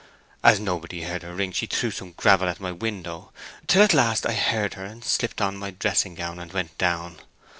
As no body heard her ring, she threw some gravel at my window, till at last I heard her and slipped on my dressing gown and went down.